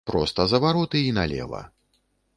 Проста за вароты і налева.